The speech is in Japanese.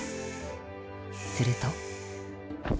すると。